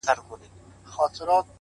• څلور پښې يې نوري پور كړې په ځغستا سوه,